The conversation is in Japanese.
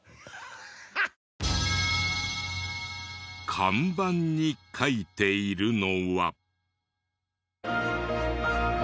看板に書いているのは。